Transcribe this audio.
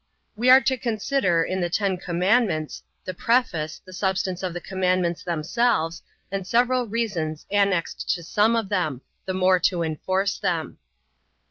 We are to consider, in the Ten Commandments, the preface, the substance of the commandments themselves, and several reasons annexed to some of them, the more to enforce them.